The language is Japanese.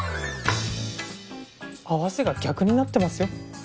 合わせが逆になってますよ。